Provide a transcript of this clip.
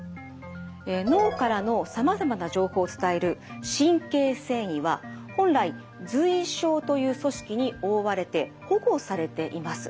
脳からのさまざまな情報を伝える神経線維は本来髄鞘という組織に覆われて保護されています。